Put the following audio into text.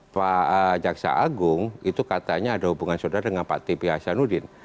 pak jaksa agung itu katanya ada hubungan sodara dengan pak t p hasanudin